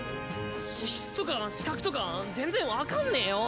資質とか資格とか全然わかんねえよ。